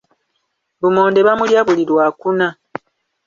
Lumonde bamulya buli lwakuna.